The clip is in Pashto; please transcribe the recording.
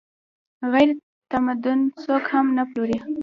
غیرتمند څوک هم نه پلوري